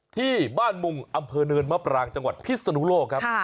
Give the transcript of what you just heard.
ที่บ้านมุงอำเภอเนินมะปรางจังหวัดพิศนุโลกครับ